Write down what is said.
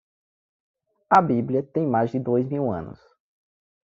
A bíblia tem mais de dois mil anos.